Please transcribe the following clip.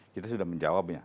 kita sudah menjawabnya